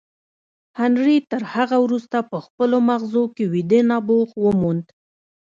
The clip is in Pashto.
هنري تر هغه وروسته په خپلو ماغزو کې ویده نبوغ وموند